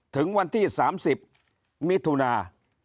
ถึงวันที่๓๐มิถุนา